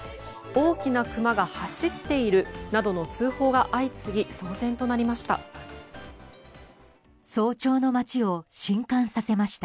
大きなクマが走っているなどの通報が相次ぎ騒然となりました。